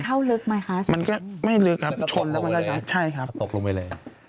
มันเข้าลึกไหมคะสิมันก็ไม่ลึกครับชนแล้วมันก็ตกลงไปเลย